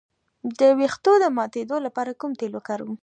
د ویښتو د ماتیدو لپاره کوم تېل وکاروم؟